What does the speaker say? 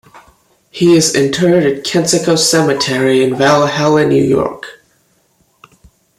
He is interred at Kensico Cemetery in Valhalla, New York.